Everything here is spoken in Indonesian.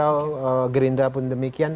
pertemuan beliau gerindra pun demikian